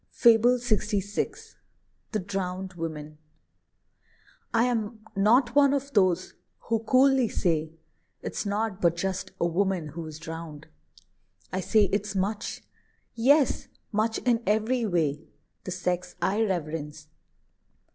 FABLE LXVI. THE DROWNED WOMAN. I am not one of those who coolly say, "It's nought but just a woman who is drowned!" I say it's much, yes, much in every way. The sex I reverence.